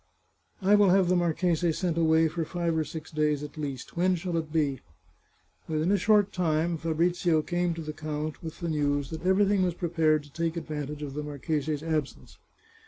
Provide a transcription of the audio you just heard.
" I will have the marchese sent away for live or six days at least. When shall it be ?" Within a short time Fabrizio came to the count with the news that everything was prepared to take advantage of the marchese's absence.